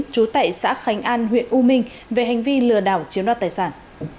chú tệ xã khánh an huyện u minh về hành vi lừa đảo chiếm đoạt tài sản